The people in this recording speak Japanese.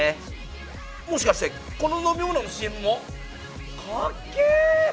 もしかしてこの飲み物のＣＭも！？かっけえ！